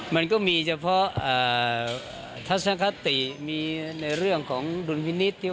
มันก็มีเฉพาะทัศนคติมีในเรื่องของดุลพินิษฐ์